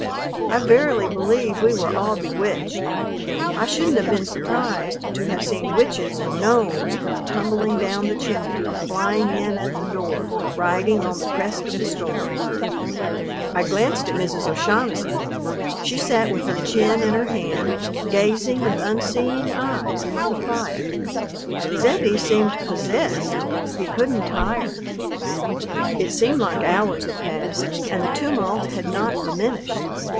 I verily believe we were all bewitched. I shouldn't have been surprised to have seen witches and gnomes come tumbling down the chimney or flying in at the door, riding on the crest of the storm. I glanced at Mrs. O'Shaughnessy. She sat with her chin in her hand, gazing with unseeing eyes into the fire. Zebbie seemed possessed; he couldn't tire. It seemed like hours had passed and the tumult had not diminished.